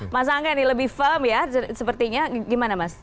mas angga ini lebih firm ya sepertinya gimana mas